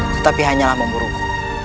tetapi hanyalah memburuku